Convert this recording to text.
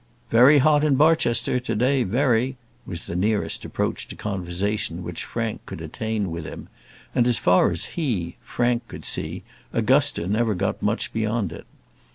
"Very hot in Barchester to day, very," was the nearest approach to conversation which Frank could attain with him; and as far as he, Frank, could see, Augusta never got much beyond it.